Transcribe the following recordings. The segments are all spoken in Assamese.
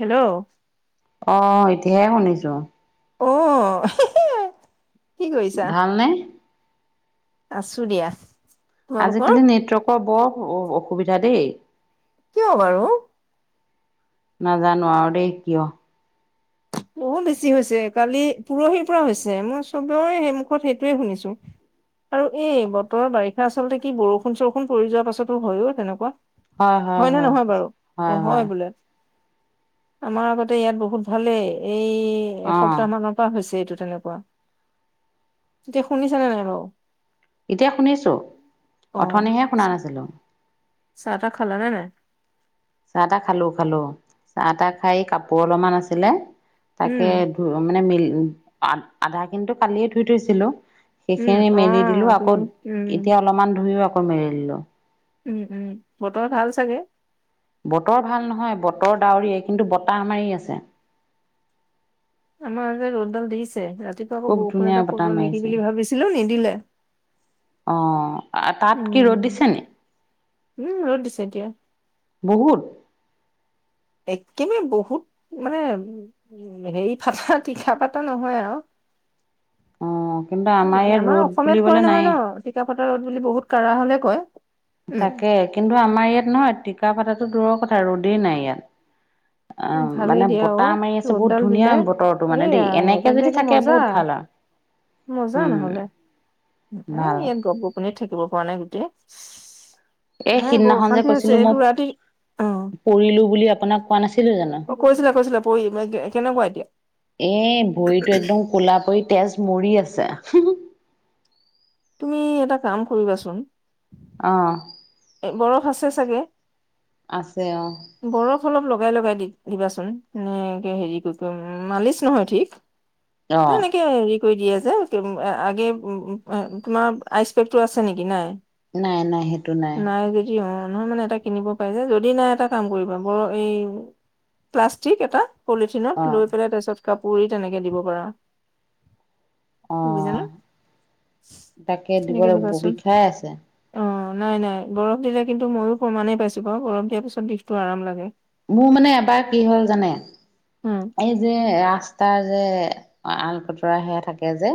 হেল্ল' অ এতিয়াহে শুনিছো। অ' কি কৰিছা? ভাল নে আছো দিয়া। তোমালোকৰ? আজিকালি নেটৱৰ্কৰ বৰ অসুবিধা দেই কিয় বাৰু। নাজানো আৰু দেই কিয় বহুত বেছি হৈছে কালি পৰহিৰ পৰা হৈছে মই চবে সেই মুখত সেইটোৱে শুনিছো। আৰু এই বতৰৰ বাৰিষা আচলতে কি বৰষুণ চৰষুণ পৰি যোৱাৰ পাছতো হয়ো তেনেকুৱা হয় নে নহয় বাৰু অ হয় বোলে। আমাৰ আগতে ইয়াত বহুত ভালেই এই অ', এসপ্তাহ মানৰ পৰা হৈছে এইটো তেনেকুৱা তেতিয়া শুনিছনে নাই বাওঁ। এতিয়া শুনিছোঁ অ', অথনিহে শুনা নাছিলোঁ। চাহ টাহ খালা নে নাই। চাহ তাহ খালো খালো চাহ তাহ খাই কাপোৰ অলপমান আছিলে উম, তাকে ধ মানে মিলি আধা খিনো কালিয়ে ধুই থৈছিলো। উম, সেইখিনি মেলি দিলো অ', আকৌ তুমি উম, এতিয়া অলপমান ধুইও আকৌ মেলি দিলো উম উম বৰতমে ভাল চাগে। বতৰ ভাল নহয় বতৰ ডাৱৰীয়ে কিন্তু বতাহ মাৰি আছে। আমাৰ ৰ'দডাল দিছে ৰাতিপুৱা আকৌ খুব বৰষুণ ধুনীয়া এটা বতাহ পৰিল নেকি মাৰিছে বুলি ভাবিছিলো নিদিলে। অ তাত কি ৰ'দ উম, দিছে নে। উম ৰ'দ দিছে এতিয়া। বহুত একেবাৰে বহুত মানে হেৰি ফাতা পিঠা পাতা নহয় আৰু। অ কিন্তু এ ইয়াত আমাৰ ৰ'দ অসমীয়াত বুলিবলে কয় নাই নহয় ন কিতাপত তাকে কিন্তু আমাৰ ইয়াত নহয় টিকা ভাতটো দূৰৰ কথা ৰ'দেই নাই ইয়াত অ, উম, ভালেই মানে দিয়া অ বতাহ মাৰি আছে বহুত ৰ'দডাল ধুনীয়া দিলে। বতৰটো মানে এইয়া দেই এনেকে তেন্তে যদি একে থাকে মজা বহুত ভাল অ, মজা নহলে আৰু ভাল ইয়াত গপ গপনিয় থাকিব। কোৱা নাই গোটে। এই ভাই বোৱ সিদিনাখন যে অশান্তি কৈছিলো হৈছে মই এইটো ৰাতি অ, পৰিলো বুলি আপোনাক কোৱা নাছিলো জানো অ, কৈছিলা- কৈছিলা পঢ়ি কেনেকুৱা এতিয়া। এ ভৰিটো একদম কলা পৰি তেজ মৰি আছে। তুমি এটা কাম কৰিবাচোন। অ', বৰফ আছে চাগে? আছে অ'। বৰফ অলপ লগাই লগাই দি দিবাচোন এ হেৰি মালিচ নহয় ঠিক। অ তেনেকে হেৰি কৈ দিয়ে যে আগে তোমাৰ আইচ পেকতটো আছে নেকি নাই। নাই - নাই। নাই দিদি অ, নহয় মানে এটা কিনিব পাৰি যে, যদি নাই এটা কাম কৰিবা বৰ এই প্লাষ্টিক এটা পলিথিনত লৈ অ', পেলাই তাৰ পিছত কাপৰি তেনেকে দিব পাৰা। বুজানা অ', তাকে দিব তেনেকে দিবা লাগিব চোন বিষাই আছে। অ, নাই - নাই বৰফ দিলে কিন্তু ময়ো প্ৰমাণে পাইছো বাৰু বৰফ দিয়াৰ পিছত বিষটো আৰাম লাগে। মোৰ মানে এবাৰ কি হ'ল জানে উম এই যে ৰাস্তাৰ যে আল খুতৰা সে থাকে যে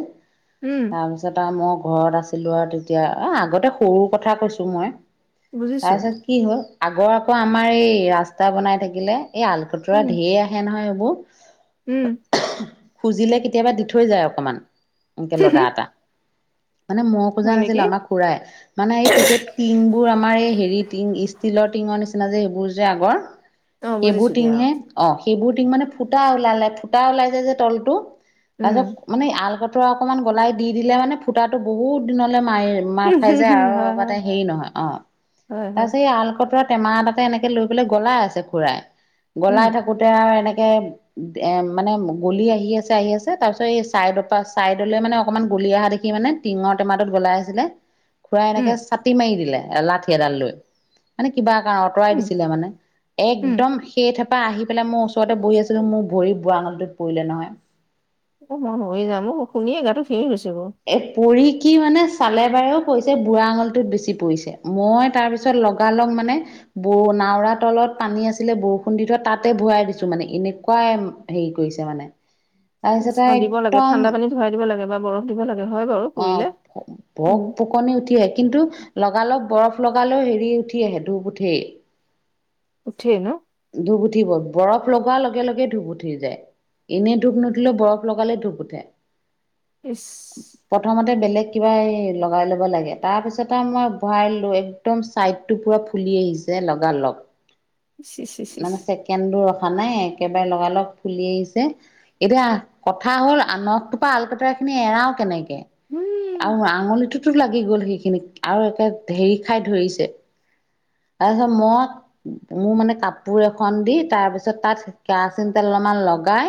উম তাৰপিছত আৰু মোক। ঘৰত আছিলো আৰু তেতিয়া আগতে সৰু কথা কৈছো মই বুজিছো তাৰপিছত কি হ'ল। আগৰ আকৌ আমাৰ এই ৰাস্তা বনাই থাকিলে এই আলকটুৰা উম, ঢেৰ আহে নহয় এইবোৰ উম, খুজিলে কেতিয়াবা দি থৈ যায় অকমান, এনেকে লদা এটা। মানে মই খোজা হয় নাছিলো নেকি? আমাক খুৰাই মানে এই তেতিয়া পিংবোৰ আমাৰ এই। হেৰি টিং ষ্টিলৰ টিঙৰ নিচিনা যে সেইবোৰ যে আগৰ অ', সেইবোৰ বুজিছো দিয়া। টিংহে অ, সেইবোৰ টিং মানে ফুটা ওলালে, ফুটা ওলাই যায় যে তলতো, উম, তাৰপিছত মানে আল কটৰা অকণমান গলাই দি দিলে মানে ফুটা টো বহুত দিনলৈ মাৰি মাৰ খাই যে হয়, হয়, আৰু হেৰি নহয় অ, হয়, হয়, তাৰপিছত এই আল কটৰাটোত টেমা তাতে এনেকে লৈ পেলাই গলাই আছে খুৰাই গলাই উম, থাকোতে আৰু এনেক এ মানে গলি আহি আছে - আহি আছে তাৰপিছত এই চাইদৰ পৰা চাইদলে মানে অকমান গুলি অহা দেখি মানে টিঙৰ টেমাটোত গলাই আছিলে। খুৰাই উম, এনেকে চাাটি মাৰি দিলে, লাঠি এডাল লৈ মানে কিবা কাৰণে আতৰাই উম, দিছিলে মানে উম, একদম সেই থেপা আহি পেলাই মোৰ ওচৰতে বহি আছিলো মোৰ ভৰি বুঢ়া আঙুল টোত পৰিলে নহয়। অ, মই হৈ যামো শুনিয় এ গাটো ঘেৰি গৈছো। এ পৰী কি মানে চালে বাৰেও পৰিছে বুঢ়া আঙুলটোত বেছি পৰিছে মই তাৰপিছত লগালগ মানে ব নাওৰা তলত পানী আছিলে বৰষুণ দি থোৱা তাতে ভৰাই দিছো মানে এনেকুৱাই হেৰি কৰি কৰিছে মানে। পিছ তাৰপিছত অ, আৰু দিব লাগে একদম ঠাণ্ডা পানী ধুৱাই দিব লাগে বা বৰফ। দিব লাগে হয় বাৰু অ, পুৰিলে ভক উম, ফকনি উঠি আহে কিন্তু লগালগ। অলপ বৰফ লগালেও হেৰি উঠি আহে ধূপ উঠেই। উঠে ন। ধূপ উঠিব বৰফ লগোৱাৰ লগে লগে ধুপ উঠি যায়। এনেই ধূপ নুঠিলেও বৰফ লগালে ধূপ উঠে। ইছ প্ৰথমতে বেলেগ কিবা এই লগাই ল'ব লাগে। তাৰ পিছতে মই ভৰাইলো একদম। চাইটো পুৰা ফুলি আহিছে লগা লগ ইচ ইচ ইচ ইচ মানে ছেকেণ্ড। নাই একেবাৰে লগাল লগ ফুলি আহিছে। এতিয়া কথা হ'ল নখ টোপা অলকটৰা খিনি এৰাও কেনেকে উম, আৰু আঙুলিটোত। লাগি গ'ল সেইখিনিক আৰু একে হেৰি খাই ধৰিছে। তাৰপিছত মই মোৰ মানে কাপোৰ এখন দি তাৰ পিছত তাত কেৰাচিন তেল অলপমান লগাই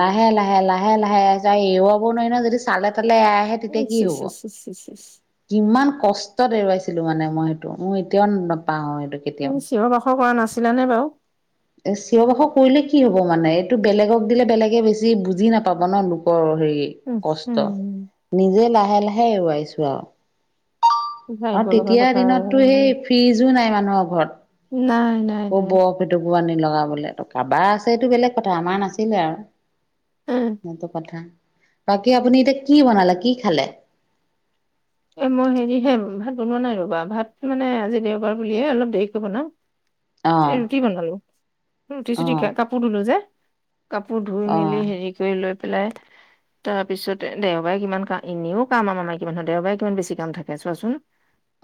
লাহে লাহে লাহে লাহে এৰুৱাব নোৱাৰি নহয়। যদি চালে তালে এ আহে তেতিয়া ইচ কি ইচ হ'ব ইচ ইচ ইচ ইচ কি হ'ব। কষ্টত এৰুৱাইছিলো মানে মই সেইটো ম এতিয়াও নাপাহওঁ সেইটো কেতিয়াও। ছিলা নে বাৰু। এ চিঞৰ বাখৰ কৰিলে কি হ'ব মানে এইটো বেলেগক দিলে বেলেগে বেছি বুজি নাপাব ন' লোকৰ উম, উম, কষ্ট নিজে লাহে লাহে এৰুৱাইছো আৰু। ভাবিব আৰু লগা তেতিয়া কথা দিনততটো নাই সেই ফিজো নাই মানুহৰ ঘৰত। নাই নাই বৰফ এটুকুৰ আনিম। লগাবলে ত কাৰোবাৰ আছে এইটো বেলেগ কথা আমাৰ নাছিলে আৰু উম, সেইটো কথা। বাকী আপুনি এতিয়া কি বনালে কি খালে। এ মই হেৰি হে ভাত বনোৱা নাই ৰ'বা ভাত মানে আজি দেওবাৰ বুলিয়ে অলপ দেৰিকে বনাওঁ। অ', এ ৰুটি বনালো ৰুটি চুটি অ', খাই কাপোৰ ধুলো যে। কাপোৰ ধুই মেলি অ', হেৰি কৰি লৈ। পেলাই তাৰ পিছতে দেওবাৰে কিমান কাহিনীও কাম কাম আমাৰ মাইকী মানুহৰ দেওবাৰে। কিমান বেছি কাম থাকে চোৱাচোন।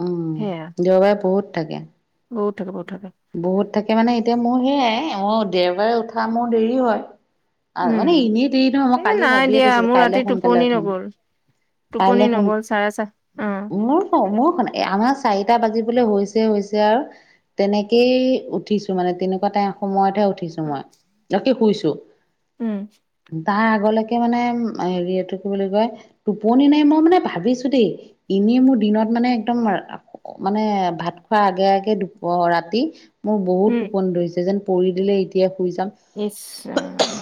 উম, সেয়া দেওবাৰে বহুত থাকে। বহুত থাকে বহুত থাকে বহুত থাকে মানে এতিয়া মোৰ সেয়াই মই দেওবাৰে উঠা মোৰ দেৰি হয়। অ উম মানে এনেই দি দি মই এ কালি নাই ভাবিয়ে দিয়া থৈছিলো মোৰ কাইলৈ ৰাতি সোনকালে টোপনি উঠিম। নগ'ল টোপনি কাইলৈ শুন নগ'ল চাৰে চা অ মোৰ মোৰখন আমাৰ চাৰিটা বাজিবলৈ হৈছে। হৈছে আৰু তেনেকেই উঠিছো, মানে তেনেকুৱা তাই সময়তহে উ। উঠিছো মই, তাকে শুইছো। উম। তাৰ আগলৈকে মানে হেৰি এইটো কি বুলি কয় টোপনি নাই মই মানে ভাবিছো দেই। আনিয়ে মোৰ দিনত মানে একদম মানে ভাত খোৱাৰ আগে আগে দুপৰাত মোৰ বহুত উম টোপন ধৰিছে যেন পৰি দিলে এতিয়া। শুই যাম ইচ ৰাম।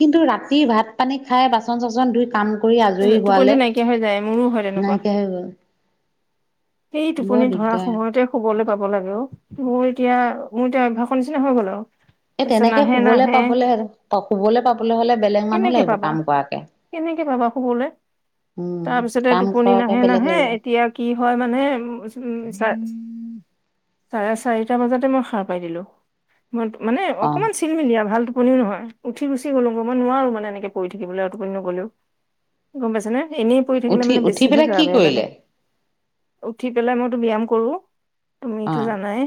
কিন্তু ৰাতি ভাত পানী খাই বাচন চাচন ধুই কাম কৰি আজৰি টোপনিটো হোৱালে। নাইকিয়া হৈ যায় মোৰো হয় তেনেকুৱা নাইকিয় হৈ গ'ল। সেই বৰ টোপনি ধৰা দিগদাৰ সময়তে শুবলৈ। পাব লাগে অ', মোৰ এতিয়া মোৰ এতিয়া অভ্যাসৰ নিচিনা হৈ গ'ল আৰু। এ তাৰপিছত তেনেকে নাহে শুবলৈ নাহে পাবলে শুবলৈ পাবলৈ হ'লে। বেলেগ মানুহ কেনেকে লাগিব পাবা কাম কৰাকে কেনেকে পাবা শুবলৈ। উম তাৰপিছতে কাম টোপনি কৰাকে নাহে বেলেগ নাহে লাগিব এতিয়া কি হয় মানে উ। চাৰে চাৰিটা বজাতে মই সাৰ পাই দিলো ম মানে অ অকমান চিল মিলিয়া ভাল শুনিও নহয় উঠি ৰুচি গ'লো গ মই নোৱাৰো মানে এনেকে পৰি থাকিবলৈ টুপনি নগ'লেও কি গম পাইছে নে। এনেই পৰি থাকিলে উঠি মানে উঠি বেছিহে পেলাই গা কি বেয়া লাগে। কৰিলে উঠি পেলাই মইতো ব্যায়াম কৰো। অ তুমিটো জানাই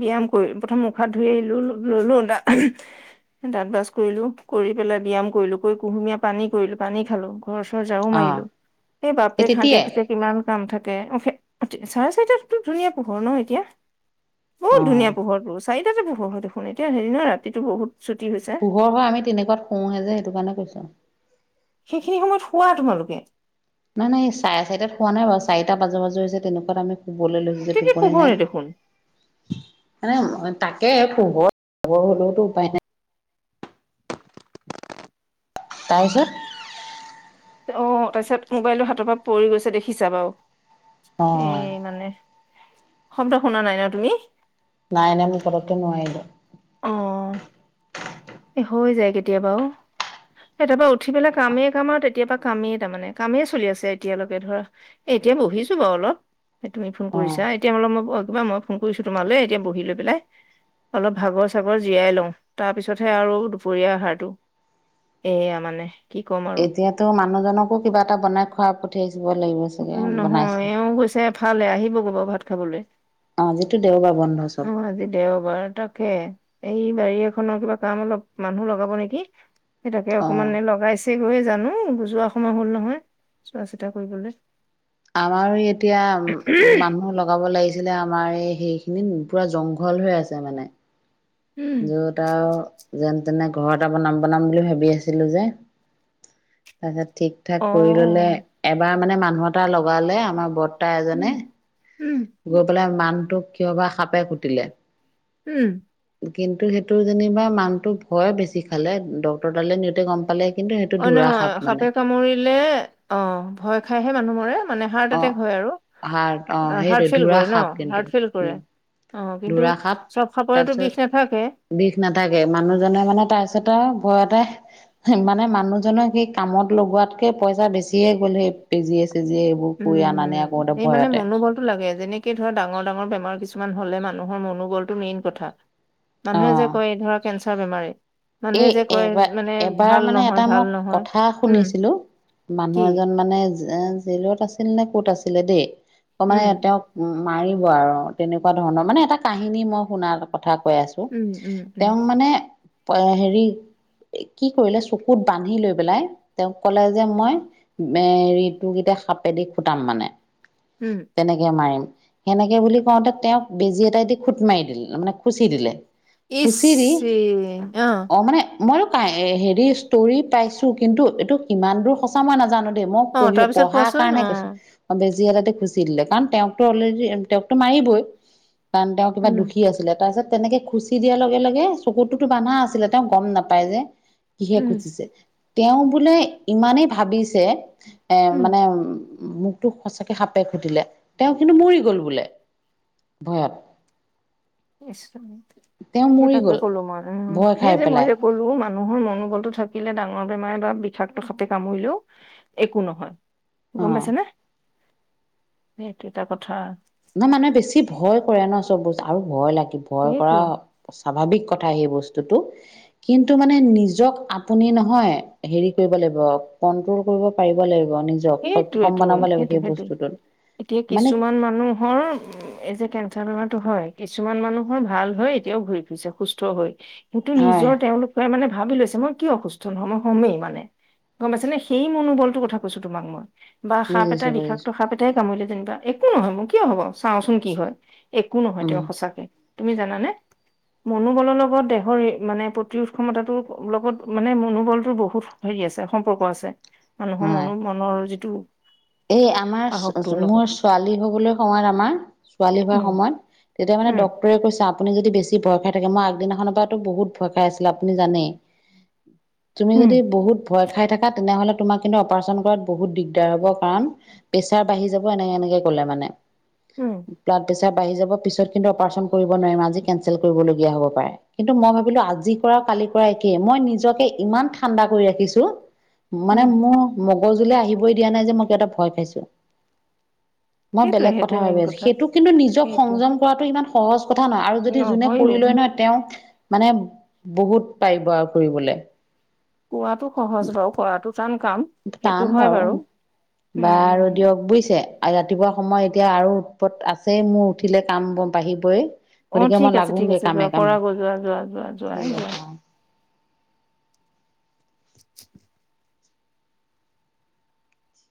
ব্যায়াম। কৰি প্ৰথম মুখাত ধুই আহিলোঁ ল'লো দাঁ-দাঁত ব্ৰাছ কৰিলো কৰি পেলাই ব্যায়াম কৰিলো কৰি কুহুমীয়া পানী কৰিলো, পানী খালোঁ। ঘৰ-চৰ যাৰু অ মাৰিলোঁ, এই বাপটে সেই খানটে তেতিয়াই খুতিয়ে কিমান কাম থাক কে চাৰে-চাৰিটাতটো ধুনীয়া পোহৰ ন এতিয়া। বহুত অ ধুনীয়া পোহৰটো। চাৰিটাতে পোহৰ হয় দেখোন এতিয়া হেৰী নহয় ৰাতিটো বহুত ছুটি হৈছে পোহৰ হয়, আমি তেনেকুৱাত শুওহে যে সেইটো কাৰণে কৈছো। সেইখিনি সময়ত শুৱা তোমালোকে? নাই নাই, চাৰে-চাৰিটাত শুৱা নাই বাৰু! চাৰিটা বাজো বাজো হৈছে তেনেকুৱাত আমি শুবলে লৈছোঁ যে গোটেইটো টোপনি পোহৰে দেখোন নাই। এনে তাকে পোহৰ, পোহৰ হ'লেওতো উপায় নাই। তাৰ পিছত? অ' তাৰপিছত মোবাইলটো হাতৰ পৰা পৰি গৈছে দেখিছা বাৰু! অ এ মানে, শব্দ শুনা নাই ন তুমি? নাই নাই, মই পতকে নোৱাৰিলোঁ। অহ, এ হৈ যায় কেতিয়াবা অ'। সেই তাৰ পৰা উঠি পেলাই কামেই কাম, আৰু তেতিয়া পৰা কামেই তাৰমানে কামেই চলি আছে এতিয়ালৈকে ধৰা। এতিয়া বহিছোঁ বাৰু অলপ। তুমি ফোন অ কৰিছা এতিয়া অলপ মই কিবা মই ফোন কৰিছো তোমালৈ এতিয়া বহি লৈ পেলাই অলপ ভাগৰ চাগৰ জিয়াই লওঁ তাৰ পিছত তাৰপাছতহে আৰু দুপৰীয়া আহাৰতটো এইয়া মানে কি ক'ম আৰু এতিয়াতো মানুহজনকো কিবা এটা বনাই খোৱাৰ প্ৰতি উ নহয় এওঁ গৈ হৈছে এফালে আহিব ভাত খাবলৈ অ যিটো দেওবাৰ বন্ধ চব ও আজি দেও বাৰ তাকে এই বাৰী এখনৰ কিবা কাম অলপ মানুহ লগাব নেকি সেইতাকে অ অকমানে লগাইছে। গৈয়ে জানো বুজোৱা সময় হল নহয় চোৱা চিতা কৰিবলৈ আমাৰো এতিয়া মানুহ লগাব লাগিছিলে আমাৰ সেই খিন পুৰা জংঘল হৈ আছে মানে! উম য'ত আৰু যেন যেনে ঘৰ এটা বনাম বনাম বুলি ভাবি আছিলোঁ যে তাৰপিছত ঠিক ঠাক কৰি ললে অ এবাৰ মানে মানুহ এটা লগালে আমাৰ বৰ্তা উম, এজনে উম, গৈ পেলাই মানুহটোক কিয় বা সাপে খুটিলে। উম। কিন্তু সেইটো যেনিবা মানুটো ভয় বেছি খালে ডক্ক্তৰ দালে নিওঁতে গম পালে কিন্তু সেইটো অঁ ধুৰা নহয় সাপ মানে সাপে কামুৰিলে অঁ ভয় খাইহে মানুহ মোৰে মান অ হাৰ্টএতেক, আৰু হাৰ্ট অ হাৰ্ট সেইটো ধুৰা সাপ কিন্তু ফেল কৰে উম ন! অঁ কিন্তু ধুৰা সাপ চব সাপোৰেটো তাৰপিছত বিষ নাথাকে। বিষ নাথাকে মানুহজনে মানে তাৰপিছত আৰু ভয়তে মানে মানুহজনৰ সি কামত লগোৱাতকে পইচা বেছিয়ে গ'ল সেই বেজি আছে। যে এইবোৰ কৰি আনা নিয়া কৰোতে উম, এই মানে ভয়তে মনোবলটো লাগে যেনেকে ধৰ ডাঙৰ ডাঙৰ বেমাৰ কিছুমান হলে মানুহৰ মনোবলটো মেইন কথা মানুহে যে কয় এই ধৰ কেঞ্চাৰ বেমাৰী। এ মানুহে যে কয় এবাৰ মানে এবাৰ ভাল মানে নহয় এটা মই ভাল নহয় কথা উম, শুনিছিলো কি মানুহ এজন মানে জেলত আছিল নে কত আছিলে দেই অ মানে উম, তেওঁক মাৰিব আৰু তেনেকুৱা ধৰণৰ মানে এটা কাহিনী মই শুনাৰ ক কথা কৈ আছো উম, উম, উম, তেওঁক মানে হেৰি কি কৰিলে চকুত বান্ধি লৈ পেলাই তেওঁক কলে যে মই এ ৰিতু কেইটা সাপেদি খুটাম মানে উম, তেনেকে মাৰিম সেনেকে বুলি কওঁতে তেওঁক বেজী এটাই দি খুট মাৰি দিলে মানে খুচি দিলে ইছ খুচি দি ছিঃ অ মানে মইয়ো ক হেৰি ষ্টৰি পাইছো কিন্তু এইটো কিমান দূৰ সঁচা মই নাজানো মই অ পঢ়ি তাৰপিছত পঢ়াৰ কোৱাচোন কাৰণে অ কৈছো বেছ যিহতে খুচি দিলে কাৰণ তেওঁকতো অলৰেডি তেওঁকতটো মাৰিবই কাৰণ তেওঁ কিবা উম দুখী আছিলে তাৰপিছত তেনেকে খুচি দিয়াৰ লগে লগে চকুৰটোতো বান্ধা আ ছিলে তেওঁ গম নাপায় যে কিহে উম খুজিছে তেওঁ বোলে ইমানেই ভাবিছে এ উম মানে মুখটো সঁচাকে সাপে খুটিলে তেওঁ কিন্তু মৰি গ'ল বোলে। ভয়ত। ইচ ৰাম তেওঁ সেই মৰি তাকে গ'ল ক'লো মই আৰু। উম, ভয় সেই খাই যে মই পেলাই যে ক'লো মানুহ মনোলটো থাকিলে ডাঙৰ ৰ' বেমাৰে বা বিষাক্ত সাপে কামুৰিলেও একো নহয় গম অ পাইছে নে। সেইটো এটা কথা মানুহে বেছি ভয় কৰে ন চব বস্তু আৰু ভয় লাগিব ভয় সেইটো কৰা স্বাভাৱিক কথা সেই বস্তুটো কিন্তু মানে নিজক আপুনি নহয় হেৰি কৰিব লাগিব কন্ট্ৰল কৰিব পাৰিব লাগিব। নিজক সক্ষম সেইটোৱেটো বনাব লাগিব সেইটো সেই সেইটো বস্তুটোত এতিয়া মানে কিছুমান মানুহৰ উম, এই যে কেঞ্চাৰ বেমাৰতো হয় কিছুমান মানুহৰ ভাল হয় এতিয়াও ঘূৰি ফুৰিছে সুস্থ হৈ। সোৰতো হয় নিজৰ তেওঁলোকে মানে ভাবি লৈছে মই কি অসুস্থ ধৰ্ম সেই মানে গম পাইছে নে সেই মনোবলটোৰ কথা কৈছো তোমাক মই। বা সাপ বুজিছো এটা বুজিছো বিষাক্ত সাপ এটাই কামূৰিলে যেনিবা একো নহয় মোৰ কিয় হ'ব চাওঁচোন কি হয়। একো নহয় উম তেওঁ সঁচাকে তুমি জানানে মনোবলৰ লগত দেহৰ মানে প্ৰতিৰোধ ক্ষমতাটোৰ লগত মানে মনোবলটো বহুত আছে সম্পৰ্ক আছে মানুহৰ হয় মনো মনৰ যিটো এই সাহসটোৰ আমাৰ মোৰ লগত ছোৱালী হবলৈ সময়ত আমাৰ ছোৱালী হোৱাৰ উম সময়ত তেতিয়া মানে উম ডক্টৰে কৈছে আপুনি যদি বেছি ভয় খাই থাকে মই আগদিনাখনৰ পৰাতো বহুত ভয় খাই আছিলে আপুনি জানেই তুমি উম, যদি বহুত ভয় খাই থাকা তেনেহলে তোমাৰ কিন্তু অপাৰচন কৰাত বহুত দিগদাৰ হ'ব কৰণ প্ৰেচাৰ বাঢ়ি যাব এনেকে এনেকে ক'লে মানে উম, ব্লাড প্ৰেছাৰ পাই ‌যাব পিছত কিন্তু অপাৰচন কৰিব নোৱাৰিম আজি কেলচেল কৰিবলগীয়া হব পাৰে কিন্তু মই ভাবিলোঁ আজি কৰা কৰা মই নিজকে ইমান ঠাণ্ডা কৰি ৰাখিছো মানে উম, মোৰ মগজুলে আহিবই দিয়া নাই যে মই কিবা এটা ভয় খাইছো মই সেইটোৱে বেলেগ সেইটো কথা মেইন ভাবি আছো সেইটো কিন্তু নিজক সেইটো সংযম কৰাটো ইমান সহজ কথা নহয় আৰু যদি যোনে নহয়ও কৰি লয় নহয় তেওঁক মানে বহুত পাৰিব আৰু ফুৰিবলে কোৱাটো সহজ বাৰু কৰাটো টান কাম সেইটো টান হয় বাৰু বা উম, উম, আৰু উম, দিয়ক বুইছে আৰু ৰাতিপুৱা সময় এতিয়া আৰু উৎপট আছেই মোৰ উঠিলে কাম বাঢ়িবই অ', গতিকে ঠিক মই আছে ঠিক লাগোগে আছে যোৱা কামে কৰা কামে গৈ যোৱা যোৱা যোৱা যোৱাই ঠিক যোৱা। আছে অ [inaudible]